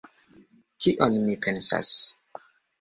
Kion mi pensas?